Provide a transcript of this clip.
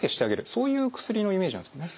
そういう薬のイメージなんですかね。